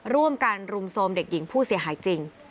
ร่วมกันรุมโทรมเด็กหญิงผู้เสียหายจริง